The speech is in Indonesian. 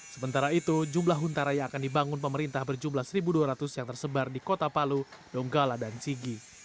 sementara itu jumlah huntara yang akan dibangun pemerintah berjumlah satu dua ratus yang tersebar di kota palu donggala dan sigi